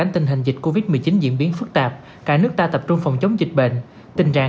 thực hiện nghiêm việc đeo khẩu trang